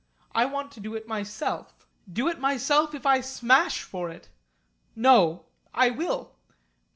I want to do it myself. Do it myself if I smash for it! No! I will.